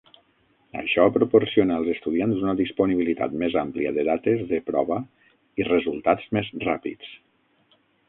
Això proporciona als estudiants una disponibilitat més àmplia de dates de prova i resultats més ràpids.